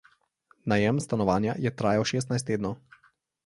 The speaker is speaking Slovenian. Najem stanovanja je trajal šestnajst tednov.